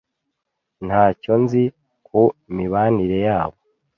Ntacyo nzi ku mibanire yabo.